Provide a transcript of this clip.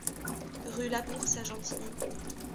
Rue Labourse à Gentilly